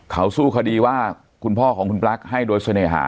เขาสู้คดีว่าคุณพ่อของคุณปลั๊กให้โดยเสน่หา